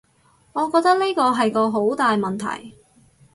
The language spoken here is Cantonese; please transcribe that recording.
我覺得呢個係個好大問題